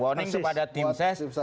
warning kepada tim ses